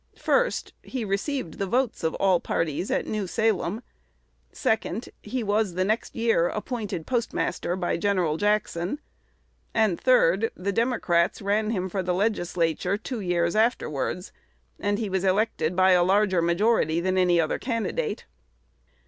First, he received the votes of all parties at New Salem; second, he was the next year appointed postmaster by Gen. Jackson; and, third, the Democrats ran him for the legislature two years afterwards; and he was elected by a larger majority than any other candidate.